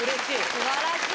すばらしい！